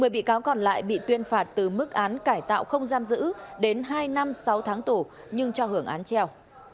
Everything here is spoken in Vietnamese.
một mươi bị cáo còn lại bị tuyên phạt từ mức án cải tạo không giam giữ đến hai năm sáu tháng tù nhưng cho hưởng án treo